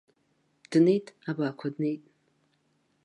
Днеит, абаақәа днеит!